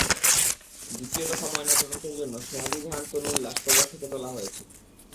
দ্বিতীয় দফা ময়নাতদন্তের জন্য সোহাগী জাহান তনুর লাশ কবর থেকে তোলা হয়েছে।